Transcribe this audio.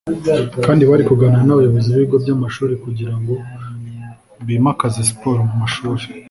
kandi bari kuganira n’abayobozi b’ibigo by’amashuri kugira ngo bimakaze siporo mu mashuri